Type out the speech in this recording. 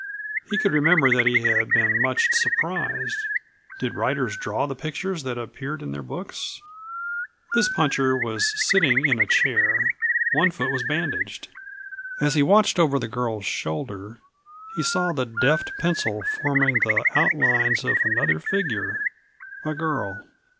He could remember that he had been much surprised. Did writers draw the pictures that appeared in their books? This puncher was sitting in a chair; one foot was bandaged. As he watched over the girl's shoulder he saw the deft pencil forming the outlines of another figure a girl.